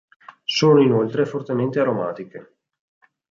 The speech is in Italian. Sono inoltre fortemente aromatiche.